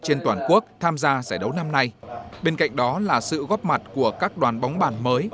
trên toàn quốc tham gia giải đấu năm nay bên cạnh đó là sự góp mặt của các đoàn bóng bàn mới